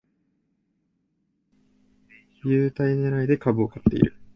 優待ねらいで株を買ってる